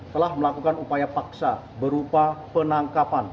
telah melakukan upaya paksa berupa penangkapan